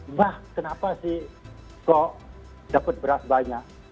mbah kenapa sih kok dapat beras banyak